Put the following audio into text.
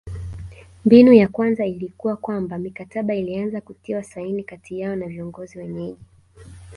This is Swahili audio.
Mbinu ya kwanza ilikuwa kwamba mikataba ilianza kutiwa saini kati yao na viongozi wenyeji